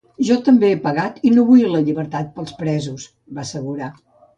Jo també he pagat i no vull la llibertat pels presos, va assegurar.